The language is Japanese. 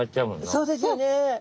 そうですよね。